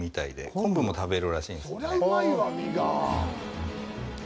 昆布も食べるらしいんですよね。